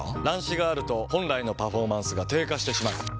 乱視があると本来のパフォーマンスが低下してしまう。